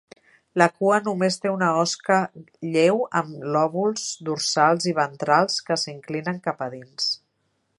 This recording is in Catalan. La cua només té una osca lleu amb lòbuls dorsals i ventrals que s'inclinen cap a dins.